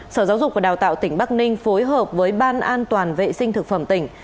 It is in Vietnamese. sở giáo dục và đào tạo tỉnh bắc ninh phối hợp với ban an toàn vệ sinh thực phẩm tỉnh